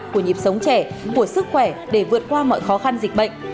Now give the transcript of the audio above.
của nhịp sống trẻ của sức khỏe để vượt qua mọi khó khăn dịch bệnh